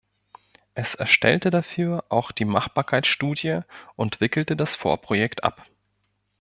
Es erstellte dafür auch die Machbarkeitsstudie und wickelte das Vorprojekt ab.